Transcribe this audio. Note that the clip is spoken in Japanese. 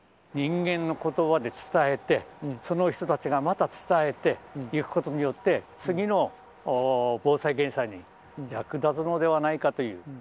人間のことばで伝えて、その人たちがまた伝えていくことによって、次の防災・減災に役立つのではないかという。